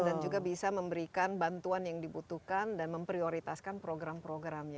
dan juga bisa memberikan bantuan yang dibutuhkan dan memprioritaskan program programnya